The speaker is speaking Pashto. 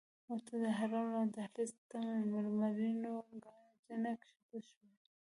ورته د حرم له دهلیز نه مرمرینو کاڼو زینه ښکته شوې.